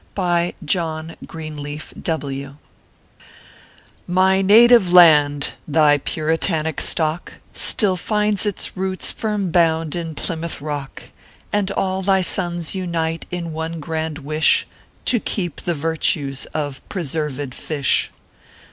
BY JOHN GREEXLEAF W . My native land, thy Puritanic stock Still finds its roots firm bound in Plymouth Rock, And all thy sons unite in one grand wish To keep tho virtues of Preserv ed Fish.